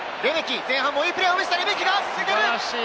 前半もいいプレーを見せたレメキ。